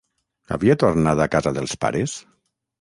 Havia tornat a casa dels pares?